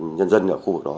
nhân dân ở khu vực đó